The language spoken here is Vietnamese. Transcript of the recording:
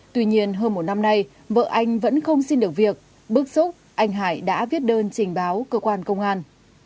tuy nhiên hơn một năm nay vợ anh vẫn không xin được việc bức xúc anh hải đã viết đơn trình báo cơ quan công an